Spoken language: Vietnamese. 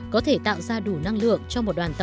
có thể tạo ra đủ năng lượng cho một đoàn tàu